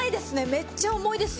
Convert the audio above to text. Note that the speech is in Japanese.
めっちゃ重いですよ。